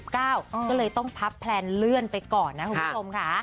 ก็เลยต้องพับแพลนเลื่อนไปก่อนนะคุณผู้ชมค่ะ